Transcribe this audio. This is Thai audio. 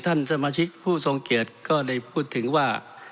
ท่านสมาชิกผู้ทรงเกียจก็ได้พูดถึงว่า